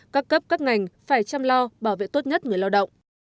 các cấp các ngành phải chăm lo bảo vệ tốt nhất người lao động